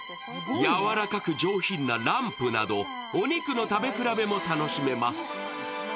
やわらかく上品なランプなどお肉の食べ比べも楽しめます。